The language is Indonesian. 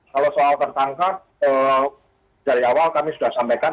kalau soal tertangkap dari awal kami sudah sampaikan